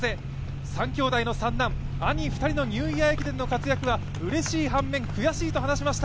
三兄弟の三男、兄２人のニューイヤー駅伝の活躍はうれしい反面悔しいと話しました。